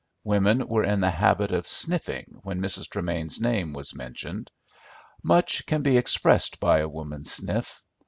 Women were in the habit of sniffing when Mrs. Tremain's name was mentioned. Much can be expressed by a woman's sniff.